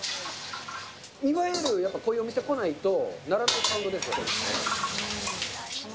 いわゆる、やっぱりこういうお店来ないと、鳴らないサウンドですよね。